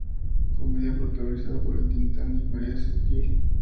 Comedia protagonizada por Tin Tan y María Esquivel.